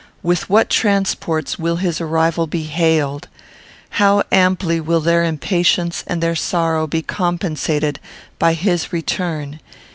With what transports will his arrival be hailed! How amply will their impatience and their sorrow be compensated by his return!